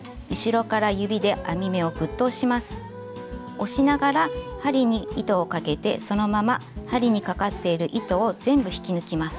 押しながら針に糸をかけてそのまま針にかかっている糸を全部引き抜きます。